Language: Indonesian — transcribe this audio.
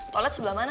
toilet sebelah mana